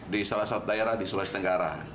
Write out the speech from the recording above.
di salah satu daerah di sulawesi tenggara